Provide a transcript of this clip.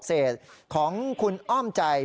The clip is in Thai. เศษของคุณอ้อมใจ